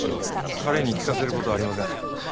彼に聞かせる事はありません。